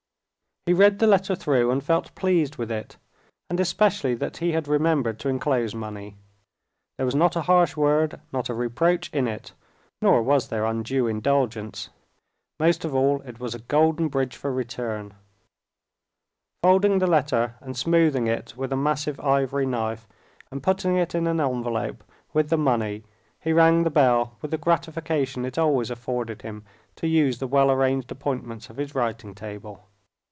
He read the letter through and felt pleased with it, and especially that he had remembered to enclose money: there was not a harsh word, not a reproach in it, nor was there undue indulgence. Most of all, it was a golden bridge for return. Folding the letter and smoothing it with a massive ivory knife, and putting it in an envelope with the money, he rang the bell with the gratification it always afforded him to use the well arranged appointments of his writing table.